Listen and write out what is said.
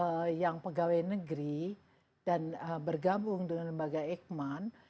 untuk yang pegawai negeri dan bergabung dengan lembaga eijkman